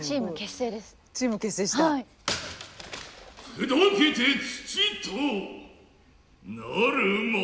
砕けて土となるまでも。